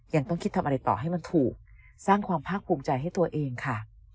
ยังต้องคิดทำอะไรต่อให้มันถูกสร้างความภาคภูมิใจให้ตัวเองค่ะ